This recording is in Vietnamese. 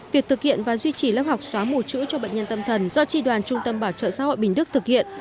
việc thực hiện và duy trì lớp học xóa mù chữ cho bệnh nhân tâm thần do tri đoàn trung tâm bảo trợ xã hội bình đức thực hiện